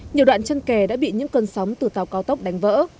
nhiều đoạn chân kè đã bị những cơn sóng từ tàu cao tốc đánh vỡ